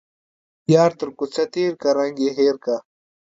يار تر کوڅه تيرکه ، رنگ يې هير که.